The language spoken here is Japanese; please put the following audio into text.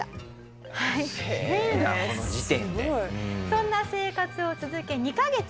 そんな生活を続け２カ月。